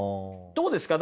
どうですか？